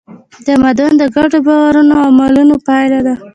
تمدن د ګډو باورونو او عملونو پایله ده.